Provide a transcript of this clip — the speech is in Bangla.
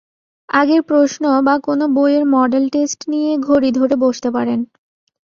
আগের প্রশ্ন বা কোনো বইয়ের মডেল টেস্ট নিয়ে ঘড়ি ধরে বসতে পারেন।